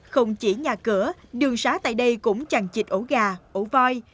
không chỉ nhà cửa đường xá tại đây cũng chẳng chịt ổ gà ổ voi